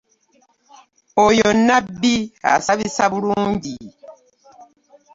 Oyo nabbi asabisa bulungi.